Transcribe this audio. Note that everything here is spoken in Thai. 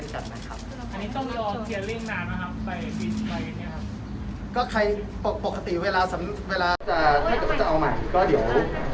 นะครับต้องยอมสีฟ้ายไปไว้นะครับก็ใครปกติเวลาเวลาจะหมายถึงก็เดี๋ยว